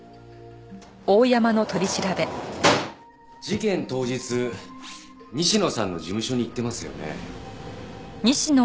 事件当日西野さんの事務所に行ってますよね？